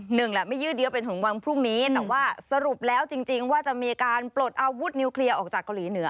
หนึ่งแหละไม่ยืดเยอะเป็นของวันพรุ่งนี้แต่ว่าสรุปแล้วจริงจริงว่าจะมีการปลดอาวุธนิวเคลียร์ออกจากเกาหลีเหนือ